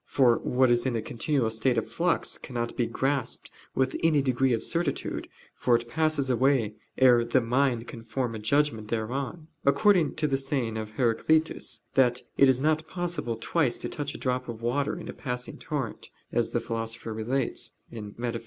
For what is in a continual state of flux, cannot be grasped with any degree of certitude, for it passes away ere the mind can form a judgment thereon: according to the saying of Heraclitus, that "it is not possible twice to touch a drop of water in a passing torrent," as the Philosopher relates (Metaph.